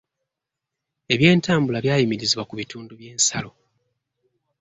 Eby'entambula byayimirizibwa ku bitundu by'ensalo.